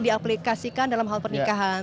di aplikasikan dalam hal pernikahan